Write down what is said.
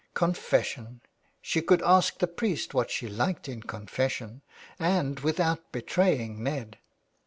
Confession ! She could ask the priest what she liked in confession, and without betraying Ned.